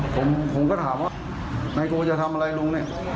ผมผมก็ถามว่านายโกจะทำอะไรลุงเนี่ย